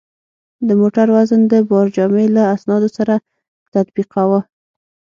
د موټر وزن د بارجامې له اسنادو سره تطبیقاوه.